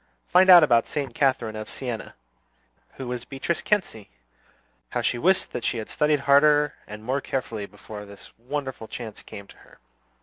"Find out about Saint Catherine of Siena." "Who was Beatrice Cenci?" How she wished that she had studied harder and more carefully before this wonderful chance came to her.